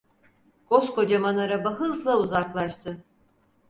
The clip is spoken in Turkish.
Koskocaman araba hızla uzaklaştı…